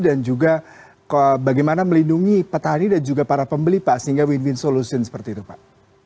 dan juga bagaimana melindungi petani dan juga para pembeli pak sehingga win win solution seperti itu pak